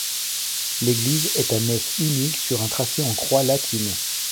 L'église est à nef unique sur un tracé en croix latine.